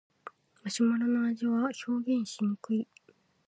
マシュマロの味は表現しにくい